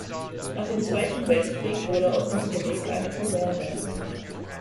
Nach dem Zweiten Weltkrieg wurde aus dem Kolleg eine Kaserne.